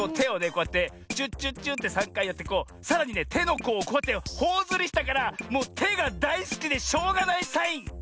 こうやってチュッチュッチュッて３かいやってこうさらにねてのこうをこうやってほおずりしたからもうてがだいすきでしょうがないサイン！